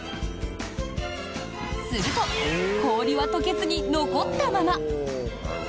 すると氷は溶けずに残ったまま！